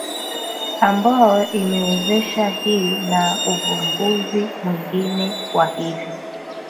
ambayo imewezesha hii na uvumbuzi mwingine wa hivi